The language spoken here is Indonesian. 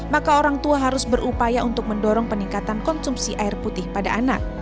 maka orang tua harus berupaya untuk mendorong peningkatan konsumsi air putih pada anak